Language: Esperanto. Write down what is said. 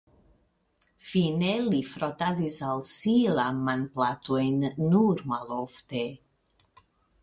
Fine li frotadis al si la manplatojn nur malofte.